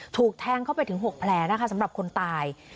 ถูกแทงเข้าไปถึง๖แผลนะคะสำหรับคนตาย